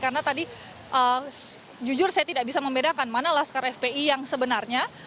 karena tadi jujur saya tidak bisa membedakan mana laskar fpi yang sebenarnya